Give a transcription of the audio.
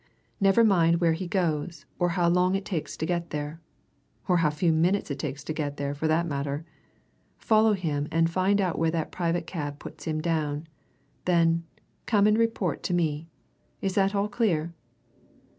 Never mind where he goes, or how long it takes to get there or how few minutes it takes to get there, for that matter! follow him and find out where that private cab puts him down. Then come and report to me. Is that all clear?"